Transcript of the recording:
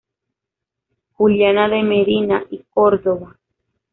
Juliana de Medina y Córdova.